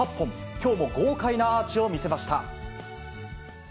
きょうも豪快なアーチを見せました。